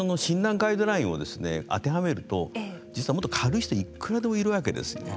ガイドラインを当てはめると実はもっと軽い人がいくらでもいるわけですよね。